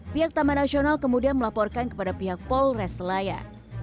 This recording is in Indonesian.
pihak taman nasional kemudian melaporkan kepada pihak polres selayar